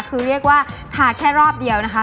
คือเรียกว่าทาแค่รอบเดียวนะคะ